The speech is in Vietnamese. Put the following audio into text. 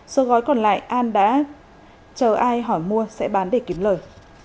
số gói còn lại an đã chờ ai hỏi mua sẽ bán để kiếm lời